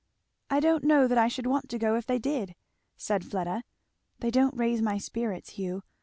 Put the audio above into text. "I don't know that I should want to go if they did," said Fleda. "They don't raise my spirits, Hugh.